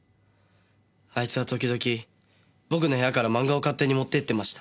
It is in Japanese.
あいつは時々僕の部屋から漫画を勝手に持っていってました。